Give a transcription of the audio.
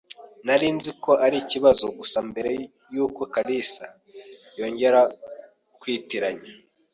Nari nzi ko ari ikibazo gusa mbere yuko kalisa yongera kwitiranya.